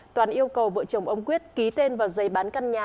toàn yêu cầu vợ chồng ông quyết ký tên vào giấy bán căn nhà